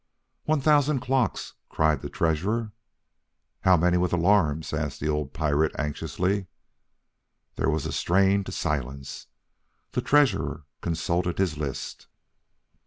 "One thousand clocks!" cried the treasurer. "How many with alarms?" asked an old pirate anxiously. There was a strained silence. The treasurer consulted his list.